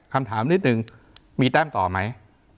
คำถามนิดนึงมีแต้มต่อไหม